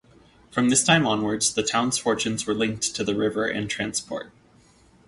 From this time onwards, the town's fortunes were linked to the river and transport.